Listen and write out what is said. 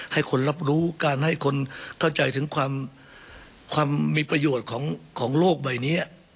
ให้คนรับรู้การให้คนเข้าใจถึงความมีประโยชน์ของโลกใบนี้